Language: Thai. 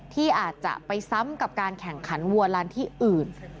ที่อาจจะไปซ้ำกับการแข่งขันวัวลันที่อื่น